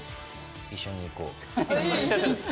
一緒に行こう。